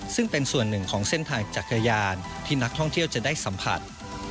ซึ่งเป็นส่วนหนึ่งของเส้นทางจักรยานที่นักท่องเที่ยวจะได้สัมผัส